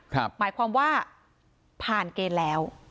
หมายความว่าผ่านเกณฑ์แล้ว